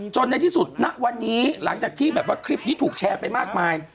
ในที่สุดณวันนี้หลังจากที่แบบว่าคลิปนี้ถูกแชร์ไปมากมาย